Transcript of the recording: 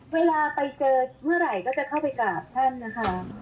เวลาไปเจอเมื่อไหร่ก็จะเข้าไปกราบท่านนะคะ